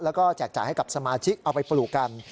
แล้วก็แจกจ่ายให้กับสมาชิกเอาไปปลูกกัน